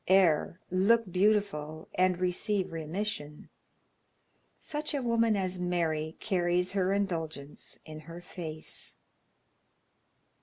Err, look beautiful, and receive remission! Such a woman as Mary carries her indulgence in her face.